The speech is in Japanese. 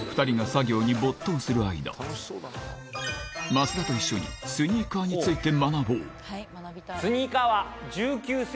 増田と一緒にスニーカーについて学ぼうスニーカーは。